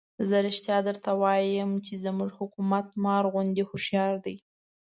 زه رښتیا درته وایم چې زموږ حکومت مار غوندې هوښیار دی.